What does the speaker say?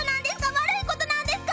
悪いことなんですか？